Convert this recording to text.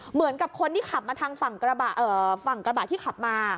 เหมือนกับคนที่ขับมาทางฝั่งกระบะที่ขับมา